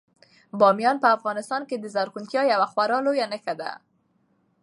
بامیان په افغانستان کې د زرغونتیا یوه خورا لویه نښه ده.